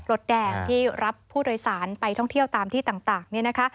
รถแดงที่รับผู้โดยสารไปท่องเที่ยวตามที่ต่าง